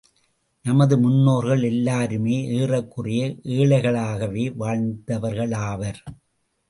நமது முன்னோர்கள் எல்லாருமே ஏறக்குறைய ஏழைகளாகவே வாழ்ந்தவர்களாவர்.